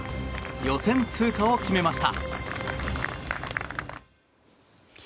予選通過を決めました。